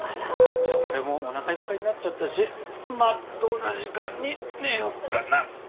じゃあ俺もおなかいっぱいになっちゃったしまっとうな時間に寝よっかな。